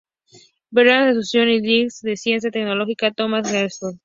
Bridget Asunción y High School de Ciencia y Tecnología Thomas Jefferson.